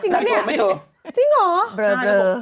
เฮ่ยจริงหรือเนี่ยจริงหรอเบลอ